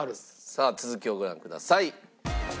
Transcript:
さあ続きをご覧ください。